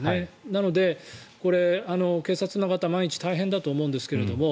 なので、警察の方毎日大変だと思うんですけれども